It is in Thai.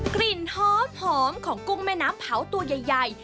กลิ่นหอมของกุ้งแม่น้ำเผาตัวใหญ่